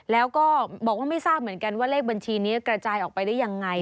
แล้วก็บอกว่าไม่ทราบเหมือนกันว่าเลขบัญชีนี้กระจายออกไปได้ยังไง